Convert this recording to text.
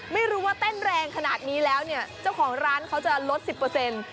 ไม่รู้ว่าเต้นแรงขนาดนี้แล้วเนี่ยเจ้าของร้านเขาจะลดสิบเปอร์เซ็นต์